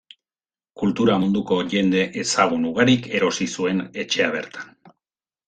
Kultura munduko jende ezagun ugarik erosi zuen etxea bertan.